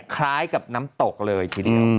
คล้ายกับน้ำตกเลยทีเดียว